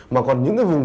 mà còn những cái vùng